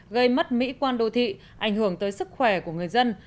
gây mất mỹ quan đô thị ảnh hưởng tới sức khỏe của người dân